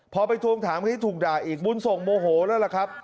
พอไปทวงถามคนนี้ถูกด่าอีกบุญส่งโมโหแล้วล่ะครับ